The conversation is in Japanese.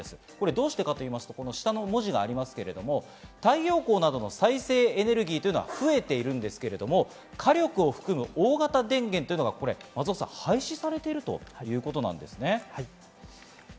どうしてかと言いますと、下の文字がありますけれど、太陽光などの再生エネルギーというのは増えているんですけれども、火力を含む大型電源というのが松尾さん、廃止されているということなんですね。